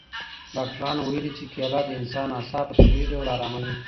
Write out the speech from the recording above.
ډاکټرانو ویلي چې کیله د انسان اعصاب په طبیعي ډول اراموي.